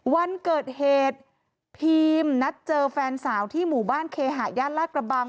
วันเกิดเหตุพีมนัดเจอแฟนสาวที่หมู่บ้านเคหะย่านลาดกระบัง